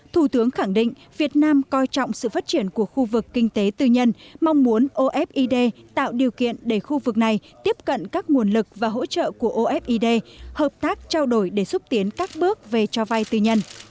thủ tướng khẳng định việt nam coi trọng sự phát triển của khu vực kinh tế tư nhân mong muốn ofid tạo điều kiện để khu vực này tiếp cận các nguồn lực và hỗ trợ của ofid hợp tác trao đổi để xúc tiến các bước về cho vay tư nhân